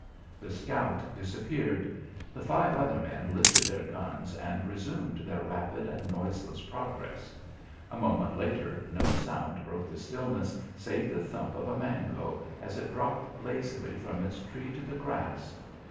The scout disappeared. The five other men lifted their guns and resumed their rapid and noiseless progress. A moment later no sound broke the stillness save the thump of a mango, as it dropped lazily from its tree to the grass.